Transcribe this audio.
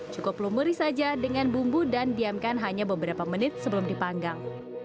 cukup lumuri saja dengan bumbu dan diamkan hanya beberapa menit sebelum dipanggang